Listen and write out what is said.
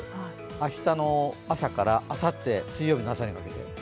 明日の朝からあさって、水曜日の朝にかけて。